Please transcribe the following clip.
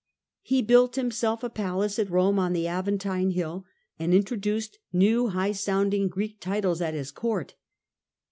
He built himself a palace at Eome, on the Aventine Hill, and introduced new high sounding Greek titles at his court.